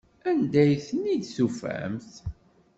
Anda ay ten-id-tufamt?